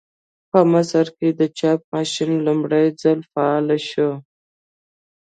په مصر کې د چاپ ماشین لومړي ځل فعال شو.